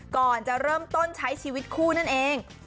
ก่อนจะเริ่มต้นใช้ชีวิตคู่นั่นเอง